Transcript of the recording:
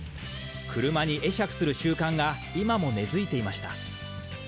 車に会釈する習慣が今も根づいていました。